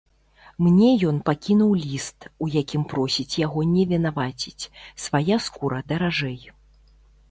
Мне ён пакінуў ліст, у якім просіць яго не вінаваціць, свая скура даражэй.